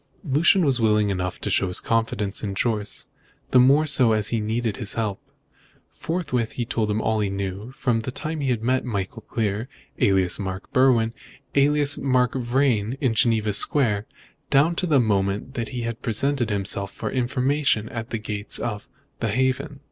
Lucian was willing enough to show his confidence in Jorce, the more so as he needed his help. Forthwith he told him all he knew, from the time he had met Michael Clear, alias Mark Berwin, alias Mark Vrain, in Geneva Square, down to the moment he had presented himself for information at the gates of "The Haven."